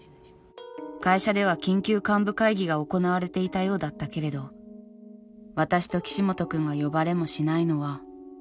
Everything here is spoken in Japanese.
会社では緊急幹部会議が行なわれていたようだったけれど私と岸本君が呼ばれもしないのは。